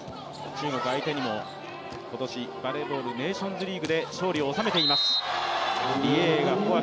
中国相手にも今年、バレーボールネーションズリーグで勝利をおさめています。